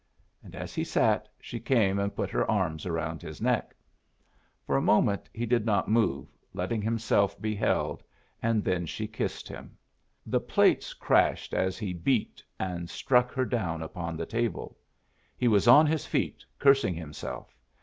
And as he sat, she came and put her arms round his neck. For a moment he did not move, letting himself be held; and then she kissed him. The plates crashed as he beat and struck her down upon the table. He was on his feet, cursing himself.